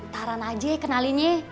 taran aja kenalinnya